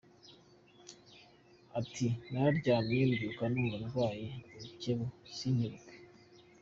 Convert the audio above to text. Ati “Nararyamye mbyuka numva ndwaye urukebu, sinkebuke.